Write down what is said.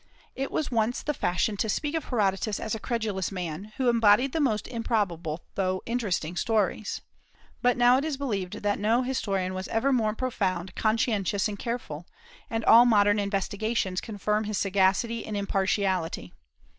It was once the fashion to speak of Herodotus as a credulous man, who embodied the most improbable though interesting stories. But now it is believed that no historian was ever more profound, conscientious, and careful; and all modern investigations confirm his sagacity and impartiality.